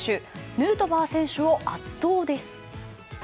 ヌートバー選手を圧倒です。